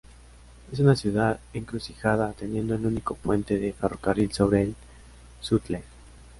Es una ciudad encrucijada, teniendo el único puente de ferrocarril sobre el Sutlej.